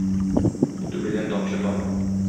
Түбәдән тамчы тама.